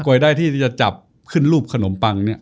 ได้ที่จะจับขึ้นรูปขนมปังเนี่ย